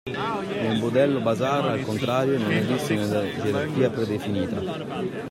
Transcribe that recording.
Nel modello "bazar", al contrario, non esiste una gerarchia predefinita.